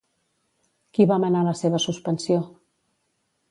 Qui va manar la seva suspensió?